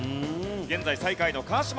現在最下位の川島如恵